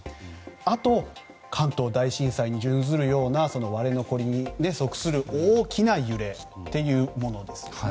あと、関東大震災に準ずるような割れ残りに属する大きな揺れというものですね。